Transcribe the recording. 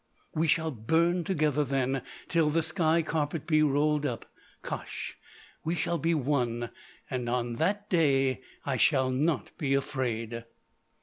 "We shall burn together then till the sky carpet be rolled up. Kosh! We shall be one, and on that day I shall not be afraid."